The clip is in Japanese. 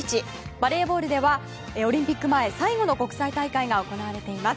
バレーボールではオリンピック前最後の国際大会が行われています。